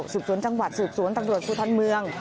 สวนจังหวัดสืบสวนตำรวจภูทรเมือง